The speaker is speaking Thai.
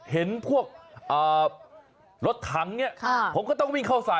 เห็นพวกรถถังเนี่ยผมก็ต้องวิ่งเข้าใส่